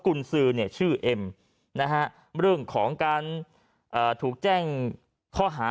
ซื้อเนี่ยชื่อเอ็มนะฮะเรื่องของการถูกแจ้งข้อหา